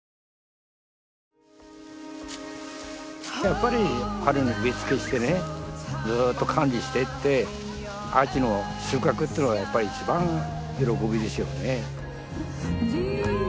やっぱり春に植え付けしてねずっと管理してって秋の収穫っていうのがやっぱり一番喜びですよね。